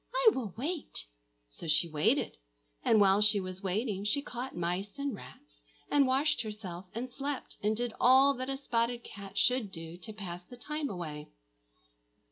I will wait." So she waited; and while she was waiting, she caught mice and rats, and washed herself and slept, and did all that a spotted cat should do to pass the time away.